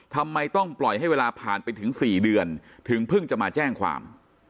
ทำไมต้องปล่อยให้เวลาผ่านไปถึง๔เดือนถึงเพิ่งจะมาแจ้งความ